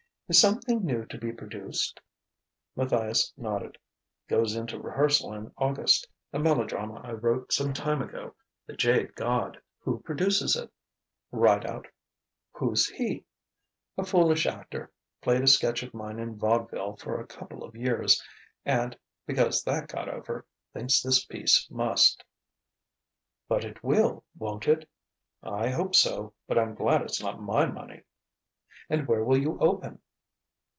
"Is something new to be produced?" Matthias nodded: "Goes into rehearsal in August. A melodrama I wrote some time ago 'The Jade God.'" "Who produces it?" "Rideout." "Who's he?" "A foolish actor: played a sketch of mine in vaudeville for a couple of years and, because that got over, thinks this piece must." "But it will, won't it?" "I hope so; but I'm glad it's not my money." "And where will you open?"